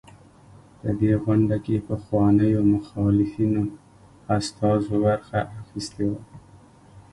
په دې غونډه کې پخوانيو مخالفینو استازو برخه اخیستې وه.